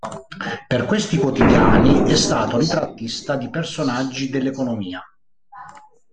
Per questi quotidiani è stato ritrattista di personaggi dell'economia.